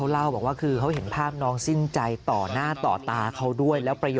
ถึงภาพน้องซิ่งใจต่อหน้าต่อตาที่เขาเล่า